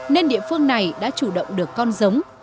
nên địa phương này đã chủ động được con giống